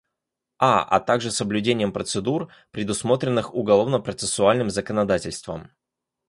А., а также соблюдением процедур, предусмотренных уголовно-процессуальным законодательством.